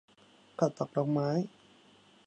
ข้าวตอกดอกไม้